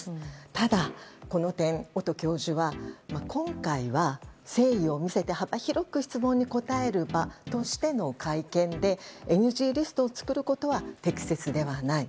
ただこの点、音教授は今回は、誠意を見せて幅広く質問に答える場としての会見で、ＮＧリストを作ることは適切ではない。